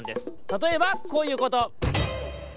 たとえばこういうこと。